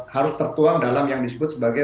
harus tertuang dalam yang disebut sebagai